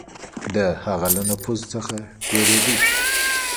د هغه له نفوذ څخه بېرېدی.